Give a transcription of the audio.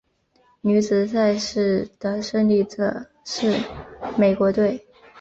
女子赛事的胜者是美国队。